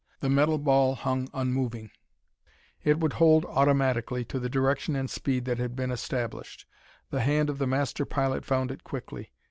The metal ball hung unmoving; it would hold automatically to the direction and speed that had been established. The hand of the master pilot found it quickly.